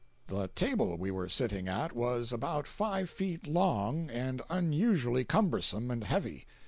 The table we were sitting at was about five feet long, and unusually cumbersome and heavy.